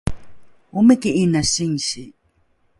omiki ’ina singsi